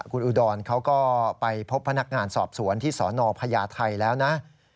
คุณอุดรเขาก็ไปพบพนักงานสอบสวนที่สนพญาไทยแล้วนะ